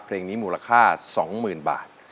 เพลงนี้มูลค่าสองหมื่นบาท